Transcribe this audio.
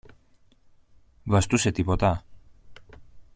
Βαστούσε τίποτα;